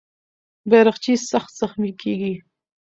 بیرغچی سخت زخمي کېږي.